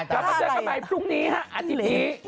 กลับมาเจอกันใหม่พรุ่งนี้ฮะอาทิตย์นี้